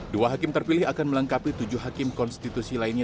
dua hakim terpilih akan melengkapi tujuh hakim konstitusi lainnya